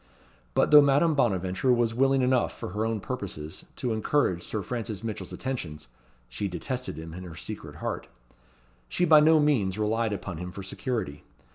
But though Madame Bonaventure was willing enough, for her own purposes, to encourage Sir Francis Mitchell's attentions (she detested him in her secret heart), she by no means relied upon him for security.